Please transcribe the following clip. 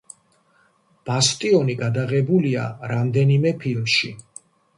ბასტიონი გადაღებულია რამვენიმე ფილმში.